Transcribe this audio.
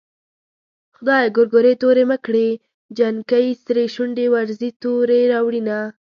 خدايه ګورګورې تورې مه کړې جنکۍ سرې شونډې ورځي تورې راوړينه